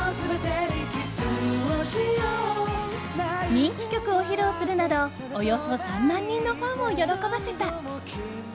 人気曲を披露するなどおよそ３万人のファンを喜ばせた。